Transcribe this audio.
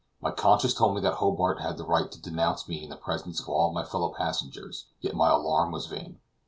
My conscience told me that Hobart had the right to denounce me in the presence of all my fellow passengers; yet my alarm was vain.